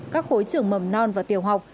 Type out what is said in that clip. các khối trưởng mầm non và tiều học